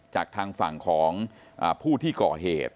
จากทางฝั่งของผู้ที่ก่อเหตุ